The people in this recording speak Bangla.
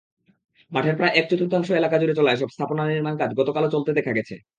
মাঠের প্রায় এক-চতুর্থাংশ এলাকাজুড়ে চলা এসব স্থাপনার নির্মাণকাজ গতকালও চলতে দেখা গেছে।